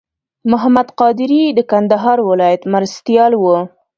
محمد قادري د کندهار ولایت مرستیال و.